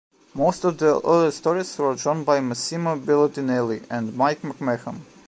Most of the early stories were drawn by Massimo Belardinelli and Mike McMahon.